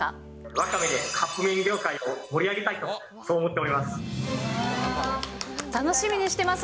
わかめでカップ麺業界を盛り上げたいと、そう思っております。